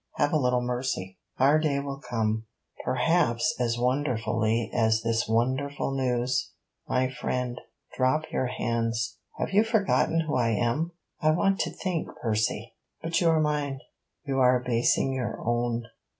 Have a little mercy. Our day will come: perhaps as wonderfully as this wonderful news. My friend, drop your hands. Have you forgotten who I am? I want to think, Percy!' 'But you are mine.' 'You are abasing your own.'